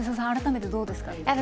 改めてどうですか。